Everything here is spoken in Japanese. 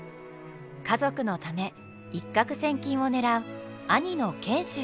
家族のため一獲千金を狙う兄の賢秀。